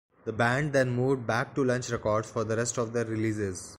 The band then moved back to Lunch Records for the rest of their releases.